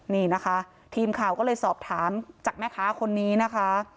นี่นะคะทีมข่าวก็เลยสอบถามจากแม่ค้าคนนี้นะคะ